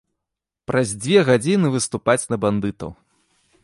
Праз дзве гадзіны выступаць на бандытаў.